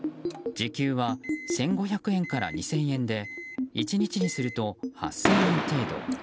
時給は１５００円から２０００円で１日にすると８０００円程度。